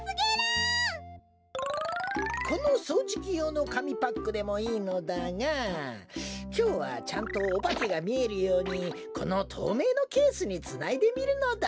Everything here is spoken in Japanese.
このそうじきようのかみパックでもいいのだがきょうはちゃんとおばけがみえるようにこのとうめいのケースにつないでみるのだ。